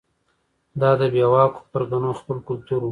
دا د بې واکو پرګنو خپل کلتور و.